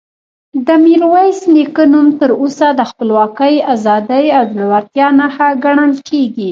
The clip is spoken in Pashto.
د میرویس نیکه نوم تر اوسه د خپلواکۍ، ازادۍ او زړورتیا نښه ګڼل کېږي.